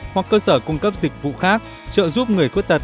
hoặc cơ sở cung cấp dịch vụ khác trợ giúp người khuyết tật